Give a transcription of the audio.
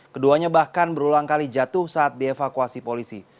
keduanya bahkan berulang kali jatuh saat dievakuasi polisi